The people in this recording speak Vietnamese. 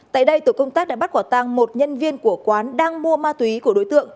tại đây tổ công tác đã bắt quả tang một nhân viên của quán đang mua ma túy của đối tượng